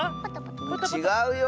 ちがうよ！